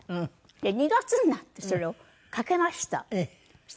２月になってそれを掛けました。